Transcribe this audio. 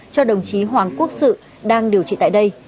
cho đồng chí hoàng quốc sự đang điều trị tại đây